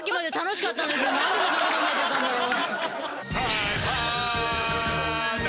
何でこんなことになっちゃったんだろう？